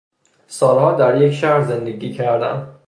سالها در یک شهر زندگی کردن